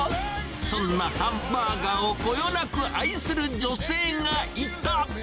そんなハンバーガーをこよなく愛する女性がいた。